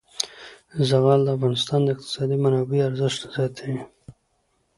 زغال د افغانستان د اقتصادي منابعو ارزښت زیاتوي.